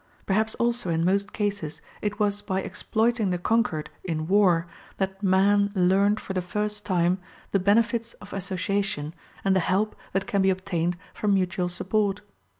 Perhaps also in most cases it was by exploiting the conquered in war that man learnt for the first time the benefits of association and the help that can be obtained from mutual support.